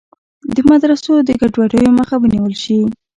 د مدرسو د ګډوډیو مخه ونیول شي.